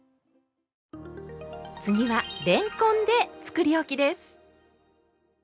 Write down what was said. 次はれんこんでつくりおきです。